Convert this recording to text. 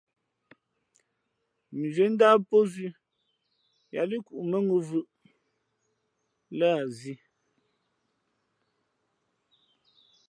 Mʉnzhwīē ndáh pózʉ̄ yāā līʼ kǔʼ mάŋū vʉʼʉ̄ lά a zī.